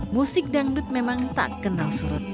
musik dangdut memang tak kenal surut